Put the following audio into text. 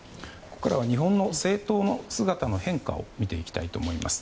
ここからは日本の政党の姿の変化を見ていきたいと思います。